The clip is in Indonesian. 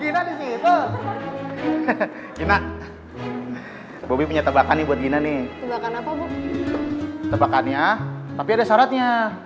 gina gina gina bobby punya tebakan buat gini nih tebakan apa bu tebakannya tapi ada syaratnya